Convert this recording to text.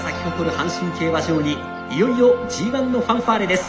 阪神競馬場にいよいよＧⅠのファンファーレです。